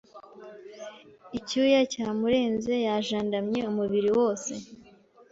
icyuya cyamurenze yajandamye umubiri wose